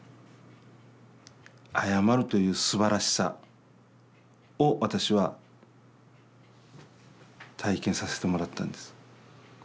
謝るというすばらしさを私は体験させてもらったんです。